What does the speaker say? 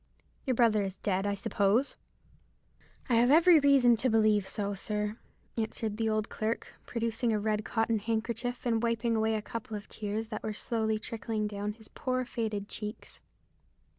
Your brother is dead, I suppose." "I have every reason to believe so, sir," answered the old clerk, producing a red cotton handkerchief and wiping away a couple of tears that were slowly trickling down his poor faded cheeks.